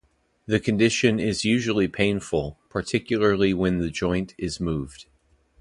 The condition is usually painful, particularly when the joint is moved.